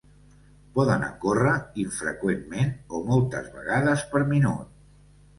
Poden ocórrer infreqüentment, o moltes vegades per minut.